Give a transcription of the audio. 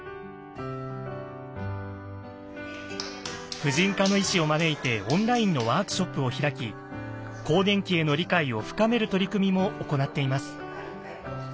婦人科の医師を招いてオンラインのワークショップを開き更年期への理解を深める取り組みも行っています。